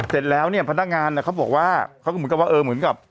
เสร็จแล้วเนี่ยพนักงานเนี่ยเขาบอกว่าเขาก็เหมือนกับว่าเออเหมือนกับ